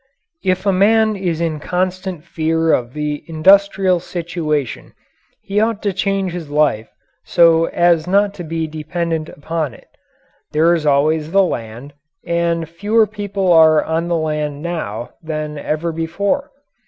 If a man is in constant fear of the industrial situation he ought to change his life so as not to be dependent upon it. There is always the land, and fewer people are on the land now than ever before.